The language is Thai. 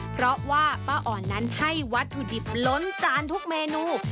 เพราะว่าป้าอ่อนนั้นให้วัตถุดิบล้นจานทุกเมนู